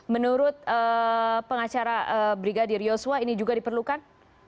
menurut pengacara brigadir yosua ini juga diperlukan